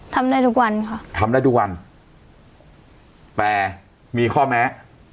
ทำได้ทุกวันค่ะทำได้ทุกวันแต่มีข้อแม้